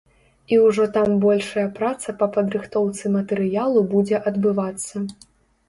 І ўжо там большая праца па падрыхтоўцы матэрыялу будзе адбывацца.